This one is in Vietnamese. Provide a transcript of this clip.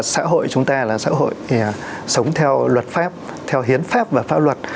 xã hội chúng ta là xã hội sống theo luật pháp theo hiến pháp và pháp luật